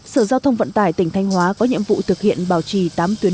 sở giao thông vận tải tỉnh thanh hóa có nhiệm vụ thực hiện bảo trì tám tuyến